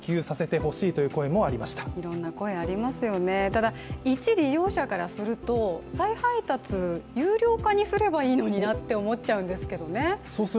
ただ、一利用者からすると、再配達、有料化にすればいいのになって思っちゃうんですけどね。